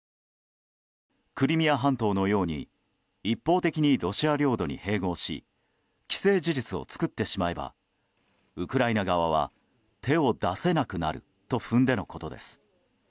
クリミア半島のように一方的にロシア領土に併合し既成事実を作ってしまえばウクライナ側は手を出せなくなると踏んでのことです。